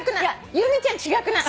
由美ちゃん違くない。